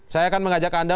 saya akan mengajak anda